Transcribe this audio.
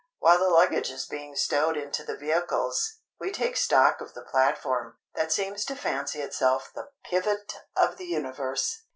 While the luggage is being stowed into the vehicles, we take stock of the platform, that seems to fancy itself the pivot of the universe!